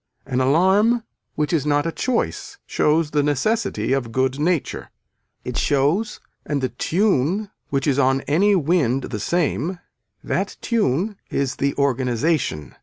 An alarm which is not a choice shows the necessity of good nature. It shows and the tune which is on any wind the same, that tune is the organization.